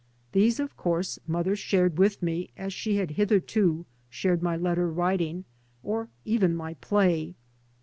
These, of course, mother shared with me as she had hitherto shared my letter writing or even my play.